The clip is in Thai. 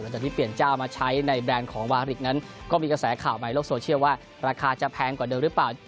หลังจากที่เปลี่ยนเจ้ามาใช้ในแบรนด์ของวาริกนั้นก็มีกระแสข่าวใหม่โลกโซเชียลว่าราคาจะแพงกว่าเดิมหรือเปล่า